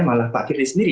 malah pak fidli sendiri